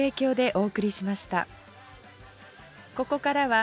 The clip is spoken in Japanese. お！